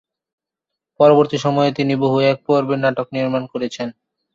পরবর্তী সময়ে তিনি বহু এক পর্বের নাটক নির্মাণ করেছেন।